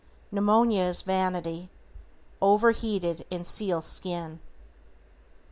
Pneumonia is vanity over heated in seal skin.